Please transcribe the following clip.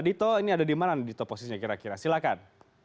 dito ini ada di mana dito posisinya kira kira silakan